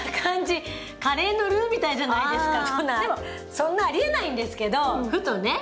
そんなありえないんですけどふとね。